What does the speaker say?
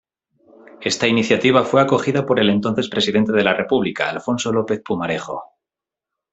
Esta iniciativa fue acogida por el entonces presidente de la República, Alfonso López Pumarejo.